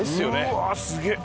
うわっすげえ！